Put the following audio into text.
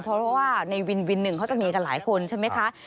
เพราะว่าในวินวินหนึ่งเขาจะมีกันหลายคนใช่ไหมคะ